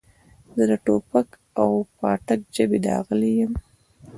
زه د ټوپک او پاټک ژبې داغلی یم.